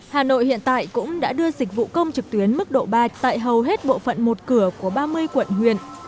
hà nội hiện tại cũng đã đưa dịch vụ công trực tuyến mức độ ba tại hầu hết bộ phận một cửa của ba mươi quận huyện